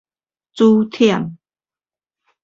煮忝